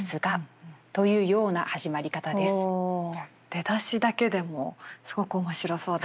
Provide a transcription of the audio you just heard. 出だしだけでもすごく面白そうですね。